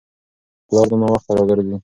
پلار نن ناوخته راګرځي.